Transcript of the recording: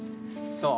そう。